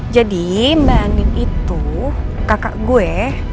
jadi mbak andin itu kakak gue